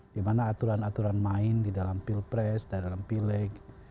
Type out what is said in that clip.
dimana aturan aturan main di dalam pilpres di dalam pileg